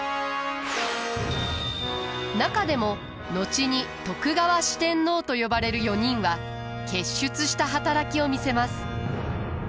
中でも後に徳川四天王と呼ばれる４人は傑出した働きを見せます。